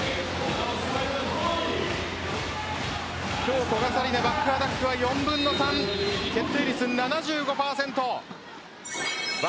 今日、古賀紗理那バックアタックは４分の３決定率７５％。